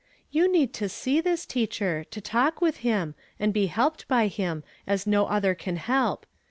'•'• You need to see this 'leachcr, to talk with him, and be lielped by him, as no other can help.